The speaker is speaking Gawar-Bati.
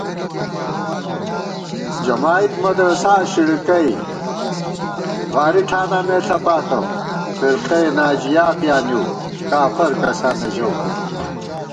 جمائید مدرساشَڑکېئی، واری ٹھاناں مےݪپاتہ * فِرقئہ ناجیاپیانِیؤ، کافر کساں نہ ژَؤ